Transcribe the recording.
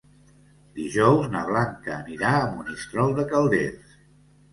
Dijous na Blanca anirà a Monistrol de Calders.